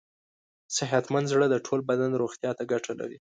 صحتمند زړه د ټول بدن روغتیا ته ګټه لري.